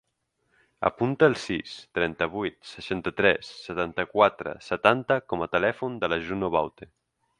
Apunta el sis, trenta-vuit, seixanta-tres, setanta-quatre, setanta com a telèfon de la Juno Baute.